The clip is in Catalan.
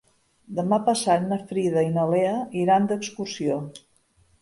Demà passat na Frida i na Lea iran d'excursió.